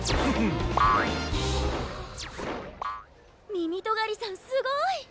みみとがりさんすごい！